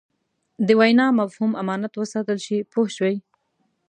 د وینا مفهوم امانت وساتل شي پوه شوې!.